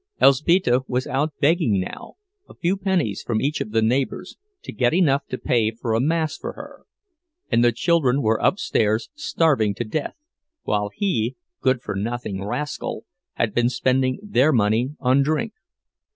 Elzbieta was out begging now, a few pennies from each of the neighbors, to get enough to pay for a mass for her; and the children were upstairs starving to death, while he, good for nothing rascal, had been spending their money on drink.